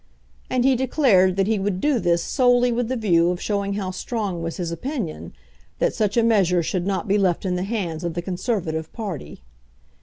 And he declared that he would do this solely with the view of showing how strong was his opinion that such a measure should not be left in the hands of the Conservative party.